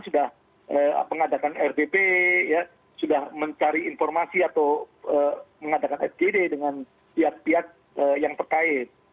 sudah mengadakan rbp sudah mencari informasi atau mengadakan fgd dengan pihak pihak yang terkait